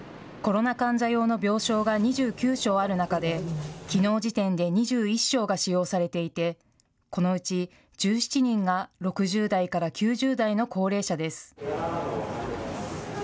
コロナ患者用の病床が２９床ある中で、きのう時点で２１床が使用されていてこのうち１７人が６０代から９０代の高齢者です。